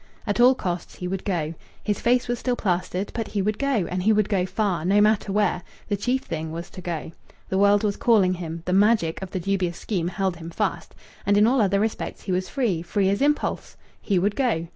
At all costs he would go. His face was still plastered; but he would go, and he would go far, no matter where! The chief thing was to go. The world was calling him. The magic of the dubious scheme held him fast. And in all other respects he was free free as impulse. He would go.